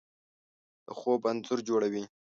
د خوب انځور جوړوي